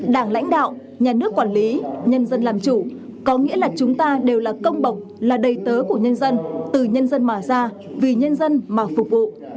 đảng lãnh đạo nhà nước quản lý nhân dân làm chủ có nghĩa là chúng ta đều là công bộc là đầy tớ của nhân dân từ nhân dân mà ra vì nhân dân mà phục vụ